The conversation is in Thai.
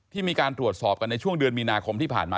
มีการตรวจสอบกันในช่วงเดือนมีนาคมที่ผ่านมา